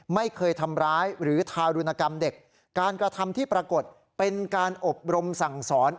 ไม่เคยทำร้ายหรือทารุณกรรมเด็กการกระทำที่ปรากฏเป็นการอบรมสั่งสอน